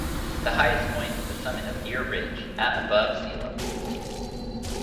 The highest point is the summit of Deer Ridge, at above sea level.